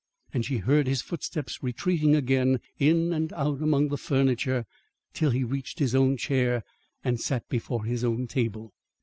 And she heard his footsteps retreating again in and out among the furniture till he reached his own chair and sat before his own table.